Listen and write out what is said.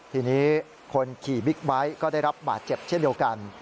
ทีนี้คนขี่บิ๊กไบท์ก็ได้รับบาดเจ็บเช่นเดียวกัน